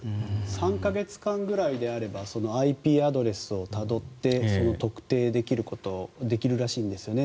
３か月間ぐらいであればＩＰアドレスをたどって特定できるらしいんですよね。